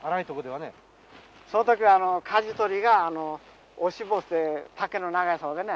その時はかじ取りが押し棒つって竹の長いさおでね